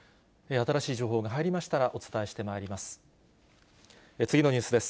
新しい情報が入りましたらお伝えしてまいります。